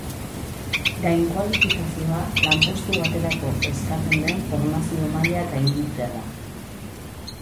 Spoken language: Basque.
Gainkualifikazioa lanpostu baterako eskatzen den formazio maila gainditzea da.